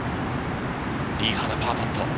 リ・ハナ、パーパット。